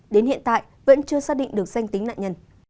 đến hiện tại vẫn chưa xác định được danh tính nạn nhân